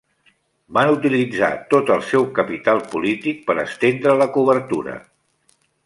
Van utilitzar tot el seu capital polític per estendre la cobertura.